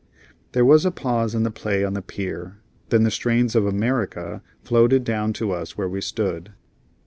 There was a pause in the play on the pier. Then the strains of "America" floated down to us where we stood.